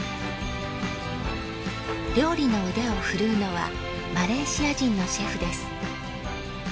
料理の腕を振るうのはマレーシア人のシェフです。